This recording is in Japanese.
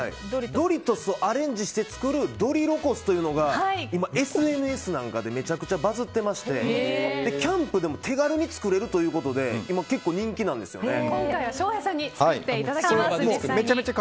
ドリトスをアレンジして作るドリロコスというのが今、ＳＮＳなんかでめちゃくちゃバズっていましてキャンプでも手軽に作れるということで今、結構、人気なんですよね。